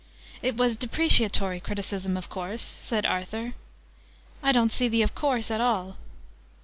"It was depreciatory criticism, of course?" said Arthur. "I don't see the 'of course' at all."